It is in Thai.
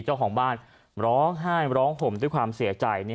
เจ้าของบ้านร้องไห้ร้องห่มด้วยความเสียใจ